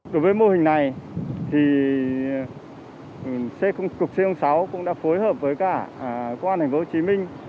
đối với mô hình này thì cục c sáu cũng đã phối hợp với cả công an tp hcm